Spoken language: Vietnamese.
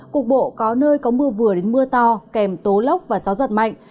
cục bộ có nơi có mưa vừa đến mưa to kèm tố lốc và gió giật mạnh